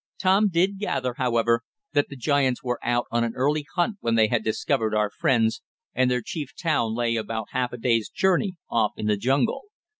Tom did gather, however, that the giants were out on an early hunt when they had discovered our friends, and their chief town lay about half a day's journey off in the jungle.